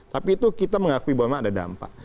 tapi itu kita mengakui bahwa memang ada dampak